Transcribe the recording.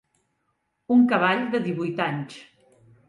Un cavall de divuit anys.